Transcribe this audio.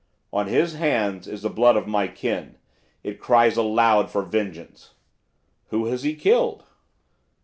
'On his hands is the blood of my kin. It cries aloud for vengeance.' 'Who has he killed?